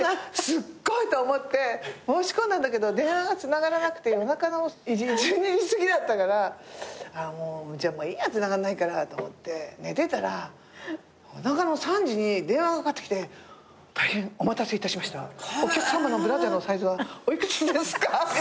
すっごいと思って申し込んだんだけど電話がつながらなくて夜中の１２時すぎだったからじゃあもういいやつながんないからと思って寝てたら夜中の３時に電話がかかってきて「大変お待たせいたしました」「お客さまのブラジャーのサイズはお幾つですか？」